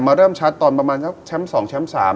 เริ่มชัดตอนประมาณแชมป์๒แชมป์๓